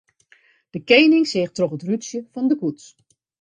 De kening seach troch it rútsje fan de koets.